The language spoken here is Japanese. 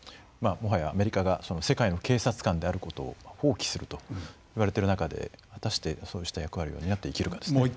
もはやアメリカが世界の警察官であることを放棄するといわれている中で果たしてそうした役割を担っていけるかですね。